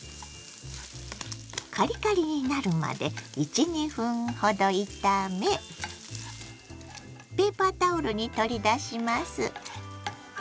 カリカリになるまで１２分ほど炒めペーパータオルに取り出します。